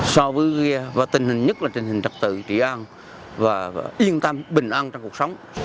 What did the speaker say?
so với tình hình nhất là tình hình trật tự trị an và yên tâm bình an trong cuộc sống